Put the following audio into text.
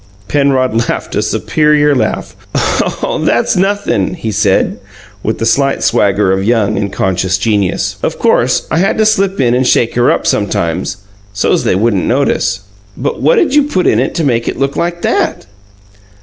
Penrod laughed a superior laugh. "Oh, that's nothin'," he said, with the slight swagger of young and conscious genius. "Of course, I had to slip in and shake her up sometimes, so's they wouldn't notice." "But what did you put in it to make it look like that?"